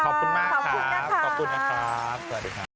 ขอบคุณมากค่ะขอบคุณค่ะสวัสดีค่ะ